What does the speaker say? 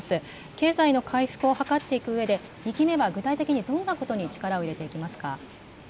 経済の回復を図っていくうえで、２期目は具体的にどんなことに力を入れていきますか？